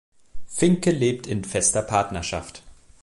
Finke lebt in fester Partnerschaft.